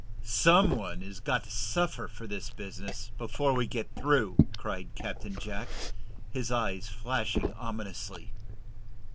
"Some one has got to suffer for this business, before we get through!" cried Captain Jack, his eyes flashing ominously.